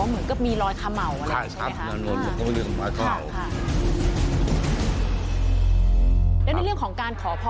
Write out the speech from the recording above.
อ๋อเหมือนก็มีรอยขาเหมาอ่ะเนี่ยใช่ไหมคะ